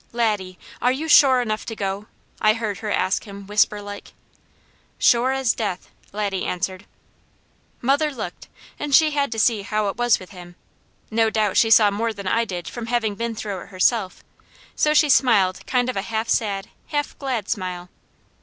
"LADDIE, ARE YOU SURE ENOUGH TO GO?" I heard her ask him whisper like. "SURE AS DEATH!" Laddie answered. Mother looked, and she had to see how it was with him; no doubt she saw more than I did from having been through it herself, so she smiled kind of a half sad, half glad smile.